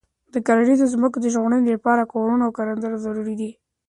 د کرنیزو ځمکو د ژغورنې لپاره قانون او کړنلاره ضروري ده.